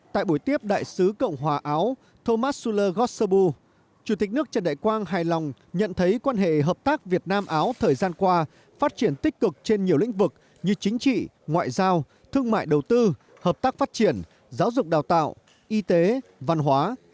tại buổi tiếp đại sứ cộng hòa áo thomasul gossobu chủ tịch nước trần đại quang hài lòng nhận thấy quan hệ hợp tác việt nam áo thời gian qua phát triển tích cực trên nhiều lĩnh vực như chính trị ngoại giao thương mại đầu tư hợp tác phát triển giáo dục đào tạo y tế văn hóa